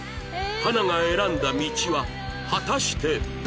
花が選んだ道は果たして